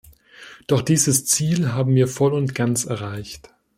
Doch dieses Ziel haben wir voll und ganz erreicht.